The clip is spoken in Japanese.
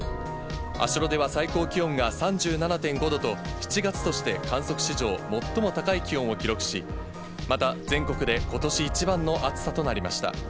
足寄では最高気温が３７．５度と、７月として観測史上最も高い気温を記録し、また全国でことし一番の暑さとなりました。